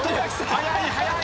速い速い！